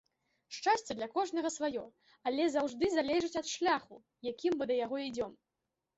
Шчасце для кожнага сваё, але заўжды залежыць ад шляху, якім мы да яго ідзём.